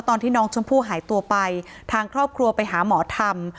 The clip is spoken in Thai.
ตอนที่น้องชมพู่หายตัวไปทางครอบครัวไปหาหมอธรรม